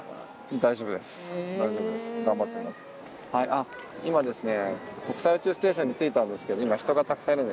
あっ今ですね